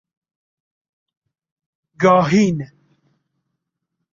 گاهین